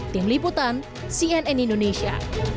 tim liputan cnn indonesia